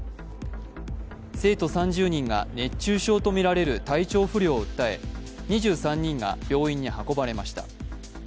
生徒３０人が熱中症とみられる体調不良を訴え２３人が病院に運ばれました。